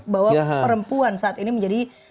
bahwa perempuan saat ini menjadi tokoh sentral